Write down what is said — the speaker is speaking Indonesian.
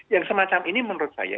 yang semacam ini menurut saya